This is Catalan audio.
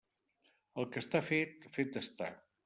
El que està fet, fet està.